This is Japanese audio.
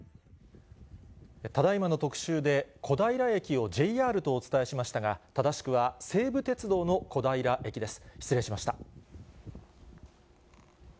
ただいまの特集で、小平駅をＪＲとお伝えしましたが、正しくは西武鉄道の小平駅です。